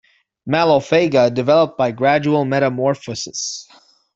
Mallophaga develop by gradual metamorphosis.